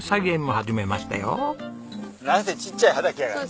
なんせちっちゃい畑やからさ。